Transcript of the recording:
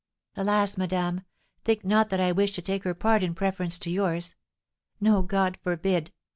"Alas! madame, think not that I wish to take her part in preference to yours. No, God forbid!